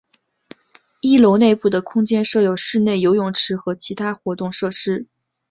一楼内部的空间设有室内游泳池和其他活动设施。